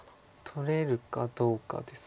取れるかどうかです。